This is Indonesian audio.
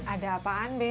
ada apaan be